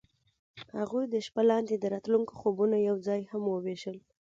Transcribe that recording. هغوی د شپه لاندې د راتلونکي خوبونه یوځای هم وویشل.